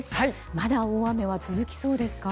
まだ大雨は続きそうですか？